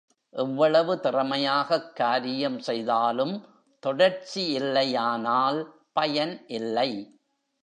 எவ்வளவு திறமையாகக் காரியம் செய் தாலும் தொடர்ச்சி இல்லையானால் பயன் இல்லை.